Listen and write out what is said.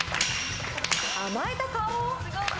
甘えた顔。